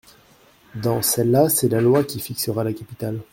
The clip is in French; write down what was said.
Dans celle-là, c’est la loi qui fixera la capitale.